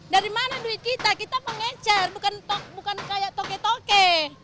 dari mana duit kita kita mengecer bukan kayak toke toke